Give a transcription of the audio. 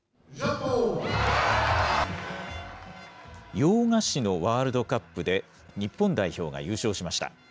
洋菓子のワールドカップで日本代表が優勝しました。